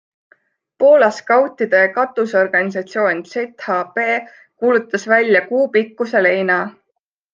Poola skautide katuseorganisatsioon ZHP kuulutas välja kuu pikkuse leina.